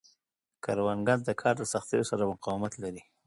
کروندګر د کار د سختیو سره مقاومت لري